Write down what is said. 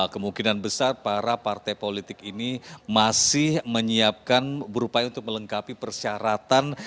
kemungkinan besar para partai politik ini masih menyiapkan berupaya untuk melengkapi persyaratan